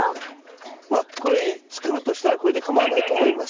まあこれ作るとしたらこれでかまわないと思います。